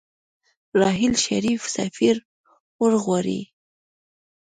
راحیل شريف سفير ورغواړي.